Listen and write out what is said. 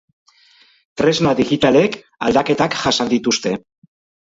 Tresna digitalek aldaketak jasan dituzte.